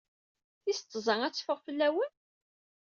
Tis tẓat ad teffeɣ fell-awen?